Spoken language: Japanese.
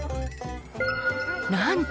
なんと！